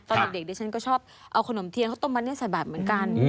ตอนเด็กดิฉันก็ชอบเอาขนมเทียนเขาต้มบัดใส่บาดเหมือนกัน